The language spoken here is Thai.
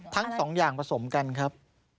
ทั้งสองอย่างผสมกันครับ